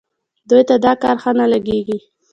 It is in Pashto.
دوی ته دا کار ښه نه لګېږي.